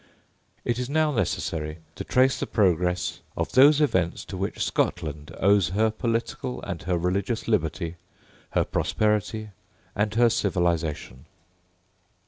It is now necessary to trace the progress of those events to which Scotland owes her political and her religious liberty, her prosperity and her civilisation.